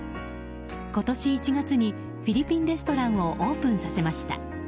今年１月にフィリピンレストランをオープンさせました。